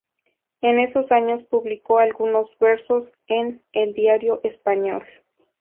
En esos años publicó algunos versos en "El Diario Español".